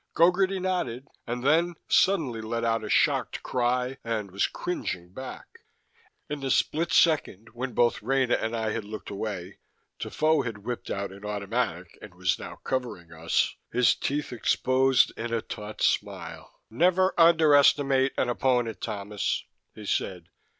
Gogarty nodded, and then suddenly let out a shocked cry, and was cringing back! In the split second when both Rena and I had looked away, Defoe had whipped out an automatic and was now covering us, his teeth exposed in a taut smile. "Never underestimate an opponent, Thomas," he said.